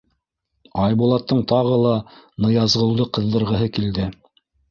Айбулаттың тағы ла Ныязғолдо ҡыҙҙырғыһы килде: